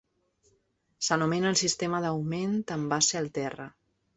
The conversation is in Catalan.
S'anomena el sistema d'augment amb base al terra.